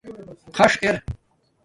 خَݽ اِر